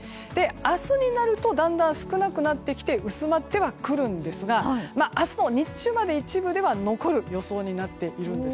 明日になるとだんだん少なってきて薄まってはくるんですが明日の日中まで、一部では残る予想になっています。